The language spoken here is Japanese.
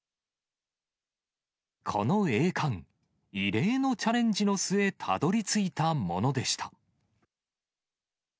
この栄冠、異例のチャレンジの末、たどりついたものでした。